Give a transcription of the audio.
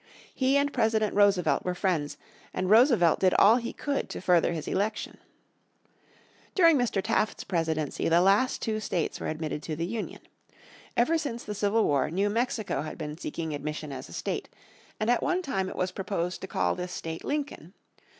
He and President Roosevelt were friends, and Roosevelt did all he could to further his election. During Mr. Taft's presidency the last two states were admitted to the Union. Ever since the Civil War New Mexico had been seeking admission as a state, and at one time it was proposed to call this state Lincoln.